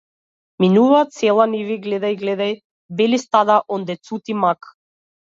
Минуваат села, ниви, гледај, гледај бели стада, онде цути мак!